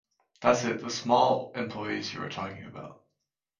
That’s it, the small employees you are talking about.